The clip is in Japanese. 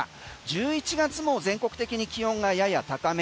１１月も全国的に気温がやや高め。